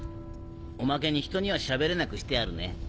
おまけにひとにはしゃべれなくしてあるね。